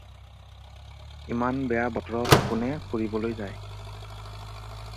ইমান বেয়া বতৰত কোনে ফুৰিবলৈ যায়?